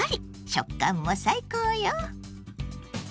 食感も最高よ。